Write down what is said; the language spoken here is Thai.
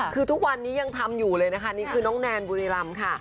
คือทุกวันนี้ยังทำอยู่เลยนะคะนี่คือน้องแนนบุรีรำค่ะ